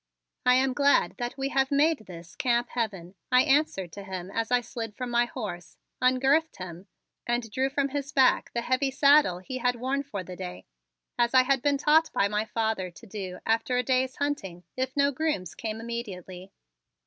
"I am glad that we have made this Camp Heaven," I answered to him as I slid from my horse, ungirthed him, and drew from his back the heavy saddle he had worn for the day, as I had been taught by my father to do after a day's hunting, if no grooms came immediately.